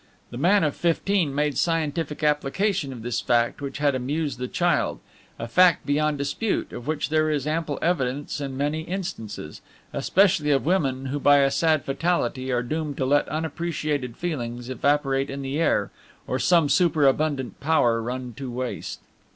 The man of fifteen made scientific application of this fact which had amused the child, a fact beyond dispute, of which there is ample evidence in many instances, especially of women who by a sad fatality are doomed to let unappreciated feelings evaporate in the air, or some superabundant power run to waste.